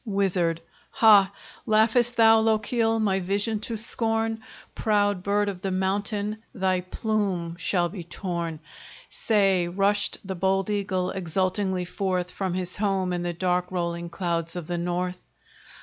WIZARD Ha! laugh'st thou, Lochiel, my vision to scorn? Proud bird of the mountain, thy plume shall be torn! Say, rushed the bold eagle exultingly forth, From his home in the dark rolling clouds of the north?